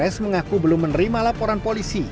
j publik mengaku belum menerima laporan polisi